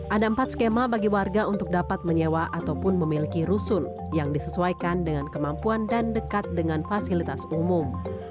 ada empat skema bagi warga untuk dapat menyewa ataupun memiliki rusun yang disesuaikan dengan kemampuan dan dekat dengan fasilitas umum